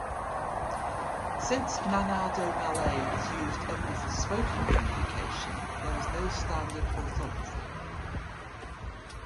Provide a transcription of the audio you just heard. Since Manado Malay is used only for spoken communication, there is no standard orthography.